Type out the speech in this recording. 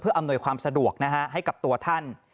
เพื่ออำนวยความสะดวกให้กับตัวท่าน